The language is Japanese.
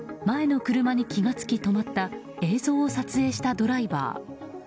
前の車に気が付き止まった映像を撮影したドライバー。